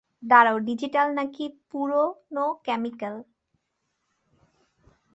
দাঁড়াও, ডিজিটাল না-কি পুরনো মেকানিক্যাল?